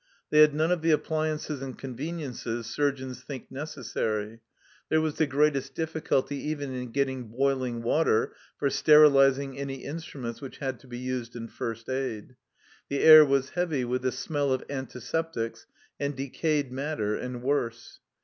They had none of the appliances and conveniences surgeons think neces sary ; there was the greatest difficulty even in getting boiling water for sterilizing any instruments which had to be used in first aid. The air was heavy with the smell of antiseptics and decayed matter and worse!